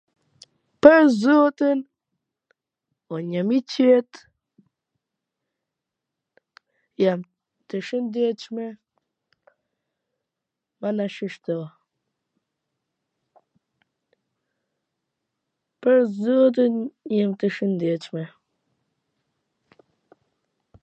pwr zotin, un jam i qet, jan tw shwndetshme, mana, shishto, pwr zotin, jan tw shwndetshme.